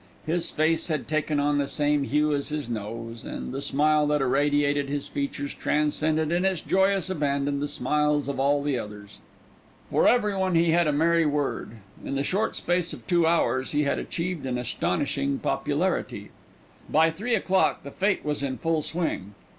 His face had taken on the same hue as his nose, and the smile that irradiated his features transcended in its joyous abandon the smiles of all the others. For everyone he had a merry word. In the short space of two hours he had achieved an astonishing popularity. By three o'clock the Fête was in full swing.